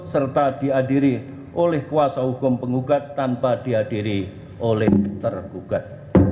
serta dihadiri oleh kuasa hukum penggugat tanpa dihadiri oleh tergugat